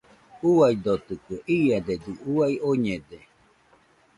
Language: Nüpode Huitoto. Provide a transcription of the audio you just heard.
Uaidotɨkue, iadedɨ uai oñede.